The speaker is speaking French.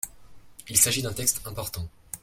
Il s’agit d’un texte important.